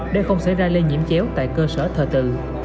để không xảy ra lây nhiễm chéo tại cơ sở thờ tự